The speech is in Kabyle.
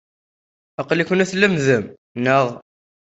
Aql-iken la tlemmdem, naɣ?